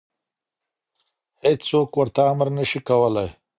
هېڅوک ورته امر نشي کولی.